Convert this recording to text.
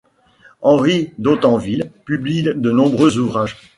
Henri Dontenville publie de nombreux ouvrages.